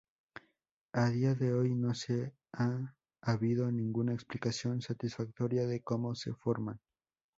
A día de hoy no ha habido ninguna explicación satisfactoria de cómo se forman.